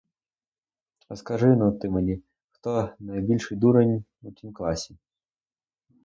А скажи-но ти мені, хто найбільший дурень у тім класі?